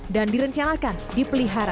dan direncanakan dipelihara